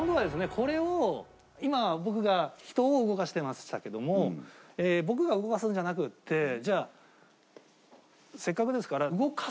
これを今僕が人を動かしてましたけども僕が動かすんじゃなくてじゃあせっかくですから。